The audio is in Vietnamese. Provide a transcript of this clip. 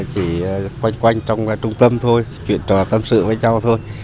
chỉ quanh quanh trong trung tâm thôi chuyện trò tâm sự với nhau thôi